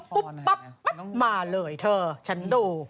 เขาปุ๊บป๊บป๊บมาเลยเธอฉันดู